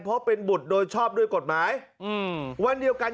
เพราะเป็นบุตรโดยชอบด้วยกฎหมายอืมวันเดียวกัน